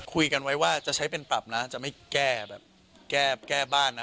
คุยกันไว้ว่าจะใช้เป็นปรับนะจะไม่แก้แบบแก้บ้านนะ